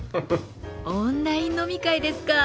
オンライン飲み会ですか。